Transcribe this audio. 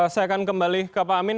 saya akan kembali ke pak amin